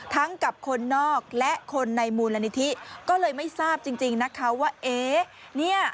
ทั้งกับคนนอกและคนในมูลละนิทิก็เลยไม่ทราบจริงนะครัวว่าเนี่ย